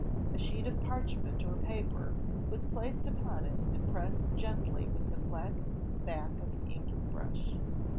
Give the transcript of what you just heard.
A sheet of parchment or paper was placed upon it and pressed gently with the flat back of the inking brush.